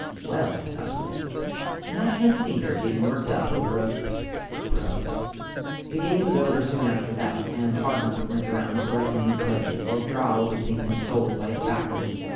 Well, I thought to myself, imagine a Thinker getting worked up over a phph throw! The game was over soon after that, and Hodnuth went around collecting his pledges while Gral was being consoled by his backers.